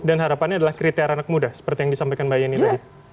dan harapannya adalah kriteria anak muda seperti yang disampaikan mbak yeni tadi